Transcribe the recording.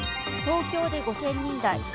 東京で５０００人台。